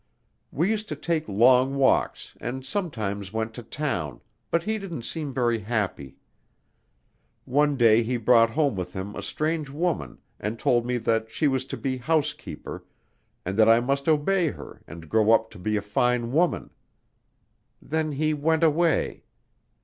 We used to take long walks and sometimes went to town, but he didn't seem very happy. One day he brought home with him a strange woman and told me that she was to be housekeeper, and that I must obey her and grow up to be a fine woman. Then he went away.